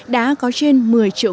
đã có trên một mươi triệu